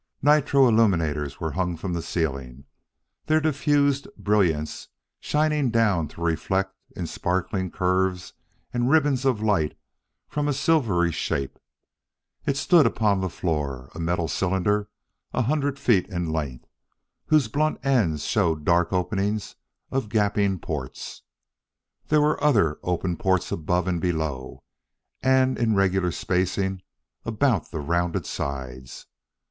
Nitro illuminators were hung from the ceiling, their diffused brilliance shining down to reflect in sparkling curves and ribbons of light from a silvery shape. It stood upon the floor, a metal cylinder a hundred feet in length, whose blunt ends showed dark openings of gaping ports. There were other open ports above and below and in regular spacing about the rounded sides.